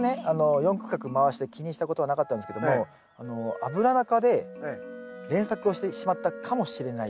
４区画回して気にしたことはなかったんですけどもアブラナ科で連作をしてしまったかもしれないと。